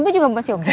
sepuluh juga emas yuk